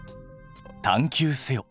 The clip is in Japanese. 探究せよ！